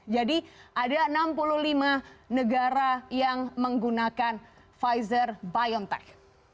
jadi ada enam puluh lima negara yang menggunakan pfizer biontech